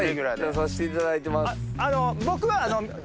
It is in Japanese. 出さしていただいてます。